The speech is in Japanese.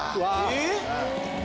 えっ？